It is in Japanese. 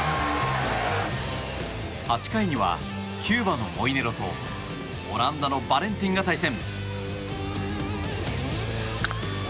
８回にはキューバのモイネロとオランダのバレンティンが対戦。